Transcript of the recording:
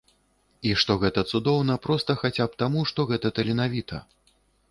І што гэта цудоўна проста хаця б таму, што гэта таленавіта.